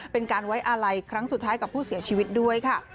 เป็นการไว้อาลัยครั้งสุดท้ายกับผู้เสียชีวิตด้วยค่ะ